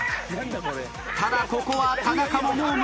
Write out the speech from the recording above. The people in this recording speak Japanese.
ただここは田中ももう虫の息。